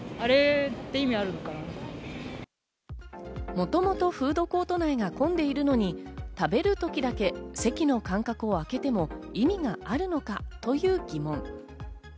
もともとフードコート内が混んでいるのに食べる時だけ席の間隔を空けても意味があるのかという疑問。